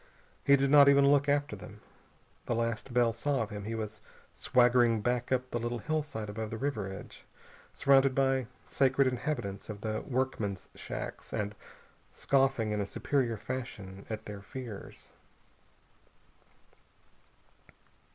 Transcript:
He did not even look after them. The last Bell saw of him he was swaggering back up the little hillside above the river edge, surrounded by scared inhabitants of the workmen's shacks, and scoffing in a superior fashion at their fears.